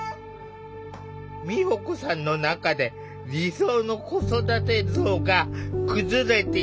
美保子さんの中で理想の子育て像が崩れていった。